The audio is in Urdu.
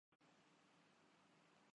گھر میں سب لوگ سو رہے ہیں